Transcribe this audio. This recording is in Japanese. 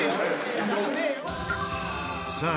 さあ